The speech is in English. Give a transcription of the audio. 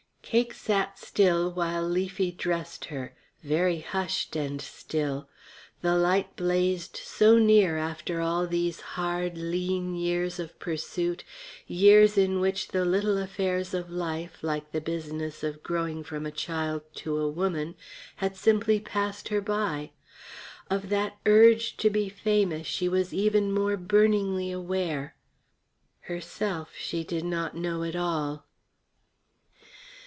Cake sat still while Leafy dressed her, very hushed and still. The light blazed so near after all these hard, lean years of pursuit, years in which the little affairs of life, like the business of growing from a child to a woman, had simply passed her by. Of that Urge to be famous she was even more burningly aware; herself she did not know at all.